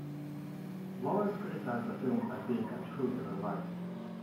Lawrence criticised the film as being untrue to her life.